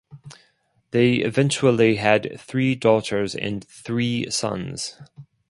They eventually had three daughters and three sons.